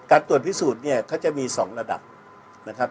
ตรวจพิสูจน์เนี่ยเขาจะมี๒ระดับนะครับ